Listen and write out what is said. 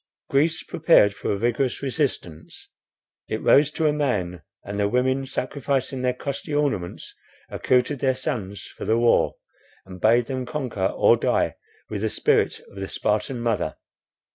Greece prepared for a vigorous resistance; it rose to a man; and the women, sacrificing their costly ornaments, accoutred their sons for the war, and bade them conquer or die with the spirit of the Spartan mother.